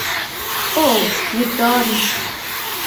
Oh, you don't?